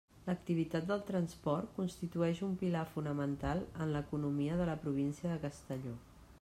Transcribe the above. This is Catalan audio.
L'activitat del transport constitueix un pilar fonamental en l'economia de la província de Castelló.